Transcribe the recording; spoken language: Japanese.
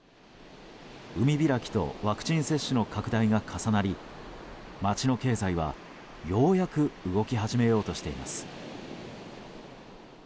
海開きとワクチン接種の拡大が重なり町の経済は、ようやく動き始めようとしています。